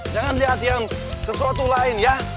jangan lihat yang sesuatu lain ya